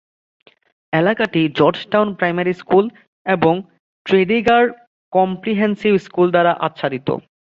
এলাকাটি Georgetown primary school এবং Tredegar comprehensive school দ্বারা আচ্ছাদিত।